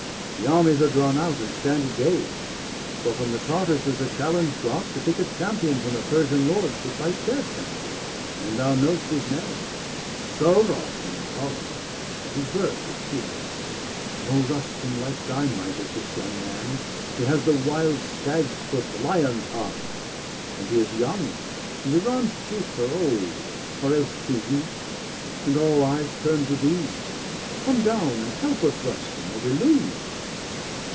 The armies are drawn out, and stand at gaze; 210 For from the Tartars is a challenge brought To pick a champion from the Persian lords To fight their champion and thou know'st his name Sohrab men call him, but his birth is hid. O Rustum, like thy might is this young man's! 215 He has the wild stag's foot, the lion's heart; And he is young, and Iran's° chiefs are old, °217 Or else too weak; and all eyes turn to thee. Come down and help us, Rustum, or we lose!"